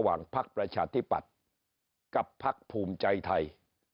ระหว่างภักดิ์ประชาธิบัติกับภักดิ์ภูมิใจไทย